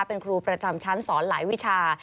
เป็นครูประจำชั้นสอนหลายวิชา